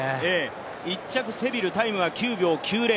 １着セビル、タイムは９秒９０。